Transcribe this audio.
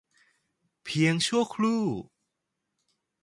เพียงชั่วครู่